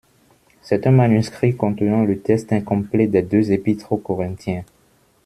C'est un manuscrit contenant le texte incomplet des deux Épîtres aux Corinthiens.